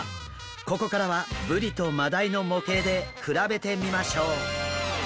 ここからはブリとマダイの模型で比べてみましょう。